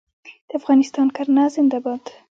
د افغانستان کرنه زنده باد.